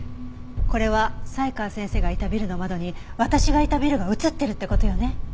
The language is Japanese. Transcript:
これは才川先生がいたビルの窓に私がいたビルが映ってるって事よね。